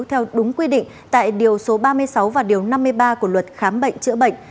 theo đúng quy định tại điều số ba mươi sáu và điều năm mươi ba của luật khám bệnh chữa bệnh